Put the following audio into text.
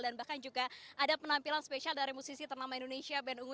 dan bahkan juga ada penampilan spesial dari musisi ternama indonesia ben ungu